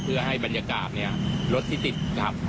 เพื่อให้บรรยากาศเนี่ยรถที่ติดขับ